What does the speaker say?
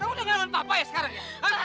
kamu udah ngelawan papa ya sekarang ya